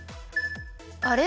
あれ？